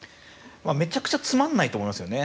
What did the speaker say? めちゃくちゃつまんないと思いますよね。